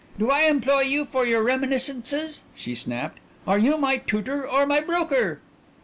"Do I employ you for your reminiscences?" she snapped. "Are you my tutor or my broker?"